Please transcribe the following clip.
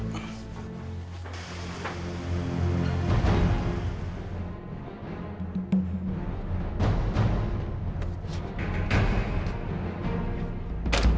bang haluk nel bearing